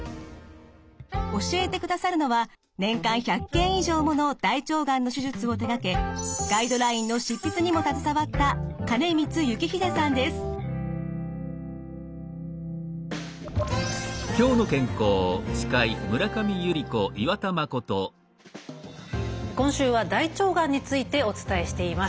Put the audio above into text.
教えてくださるのは年間１００件以上もの大腸がんの手術を手がけガイドラインの執筆にも携わった今週は大腸がんについてお伝えしています。